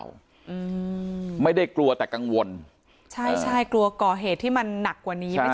อืมไม่ได้กลัวแต่กังวลใช่ใช่กลัวก่อเหตุที่มันหนักกว่านี้ไม่ใช่